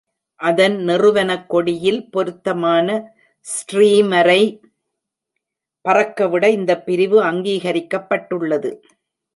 அதன் நிறுவனக் கொடியில், பொருத்தமான ஸ்ட்ரீமரை பறக்கவிட, இந்த பிரிவு அங்கீகரிக்கப்பட்டுள்ளது.